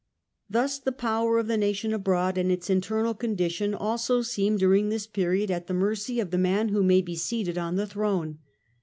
Thus the power of the nation abroad, and its internal condition also, seem during this period at the mercy of the man who may be seated on the throne.